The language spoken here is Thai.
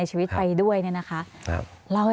สวัสดีครับทุกคน